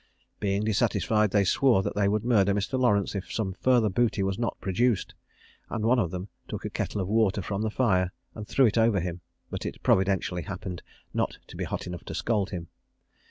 Being dissatisfied, they swore that they would murder Mr. Lawrence if some further booty was not produced, and one of them took a kettle of water from the fire, and threw it over him; but it providentially happened not to be hot enough to scald him.